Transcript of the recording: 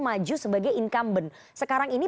maju sebagai incumbent sekarang ini